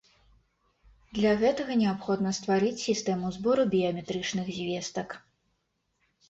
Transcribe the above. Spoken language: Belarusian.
Для гэтага неабходна стварыць сістэму збору біяметрычных звестак.